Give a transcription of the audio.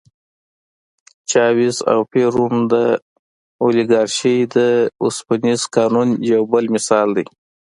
چاوېز او پېرون د اولیګارشۍ د اوسپنيز قانون یو بل مثال دی.